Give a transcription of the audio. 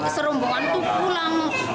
serumbungan tuh pulang